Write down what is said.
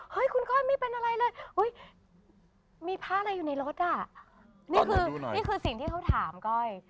เฮ้ยคุณก้อยไม่เป็นอะไรเลยมีพระอะไรอยู่ในรถอ่ะนี่คือนี่คือสิ่งที่เขาถามก้อย